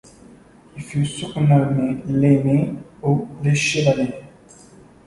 Il fut surnommé l'Aîné ou le Chevalier.